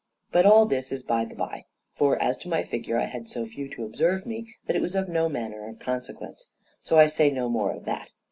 But all this is by the by; for as to my figure, I had so few to observe me that it was of no manner of consequence, so I say no more of that.